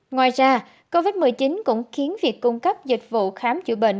ngoài ra covid một mươi chín cũng khiến việc cung cấp dịch vụ khám chữa bệnh